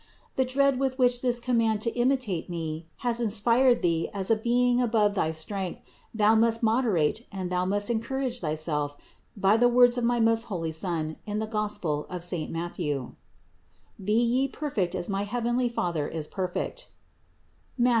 The dread with which this command to imitate me has inspired thee as a being above thy strength, thou must moderate and thou must encourage thyself by the words of my most holy Son in the Gospel of saint Mat thew : "Be ye perfect as my heavenly Father is perfect" (Matth.